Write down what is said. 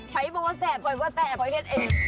ใครบอกว่าแตะพอยว่าแตะพอยเฮ็ดเอ็ด